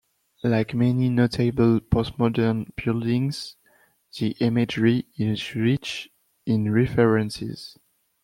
Like many notable postmodern buildings, the imagery is rich in references.